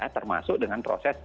termasuk dengan proses